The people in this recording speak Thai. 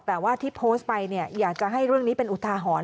แต่ว่าที่โพสต์ไปเนี่ยอยากจะให้เรื่องนี้เป็นอุทาหรณ์